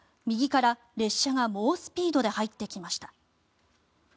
右から列車が猛スピードで入ってきました。